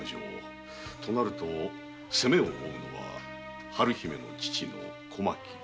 となると責めを負うのは春姫の父の小牧殿。